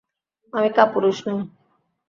আমি কাপুরুষ নই।